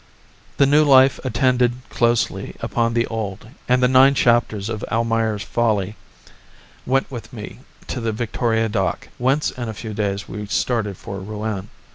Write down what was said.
The new life attended closely upon the old and the nine chapters of "Almayer's Folly" went with me to the Victoria Dock, whence in a few days we started for Rouen.